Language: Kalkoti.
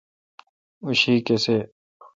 اوں شی کیسے°